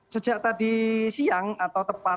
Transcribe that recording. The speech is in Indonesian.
sejak tadi siang atau tepat